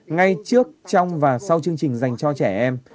ngay trước trong và sau chương trình dành cho trẻ em